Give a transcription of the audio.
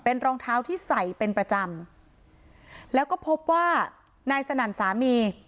เป็นรองเท้าที่ใส่เป็นประจำแล้วก็พบว่านายสนั่นสามี